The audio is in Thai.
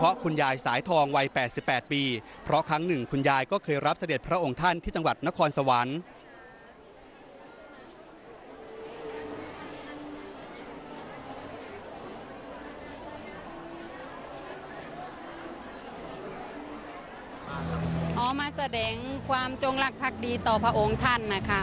มาแสดงความจงรักภักดีต่อพระองค์ท่านนะคะ